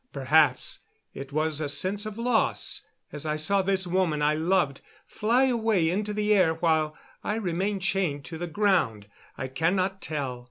Perhaps it was a sense of loss as I saw this woman I loved fly away into the air while I remained chained to the ground. I cannot tell.